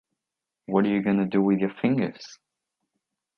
What are you gonna do with your fingers?